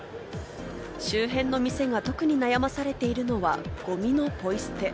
周辺の店が特に悩まされているのは、ゴミのポイ捨て。